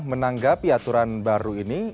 menanggapi aturan baru ini